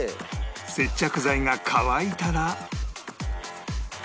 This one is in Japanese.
接着剤が乾いたら